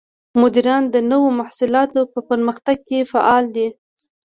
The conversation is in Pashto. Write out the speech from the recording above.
مدیران د نوو محصولاتو په پرمختګ کې فعال دي.